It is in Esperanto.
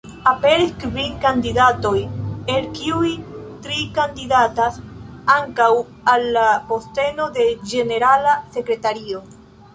Aperis kvin kandidatoj, el kiuj tri kandidatas ankaŭ al la posteno de ĝenerala sekretario.